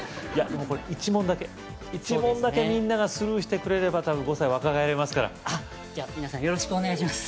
もうこれ１問だけ１問だけみんながスルーしてくれればたぶん５歳若返れますから皆さんよろしくお願いします